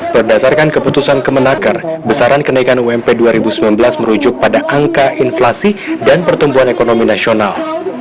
berdasarkan keputusan kemenaker besaran kenaikan ump dua ribu sembilan belas merujuk pada angka inflasi dan pertumbuhan ekonomi nasional